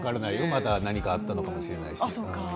また何かあったかもしれません。